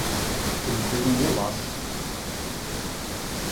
ele fez um golaço